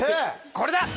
これだ！